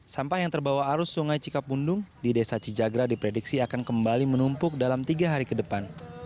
sampah yang terbawa arus sungai cikapundung di desa cijagra diprediksi akan kembali menumpuk dalam tiga hari ke depan